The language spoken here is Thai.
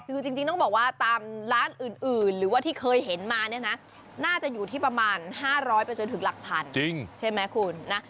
คือจริงต้องบอกว่าตามร้านอื่นหรือว่าที่เคยเห็นมาเนี่ยนะน่าจะอยู่ที่ประมาณ๕๐๐ถึงหลักพันจริงใช่ไหมคุณนะ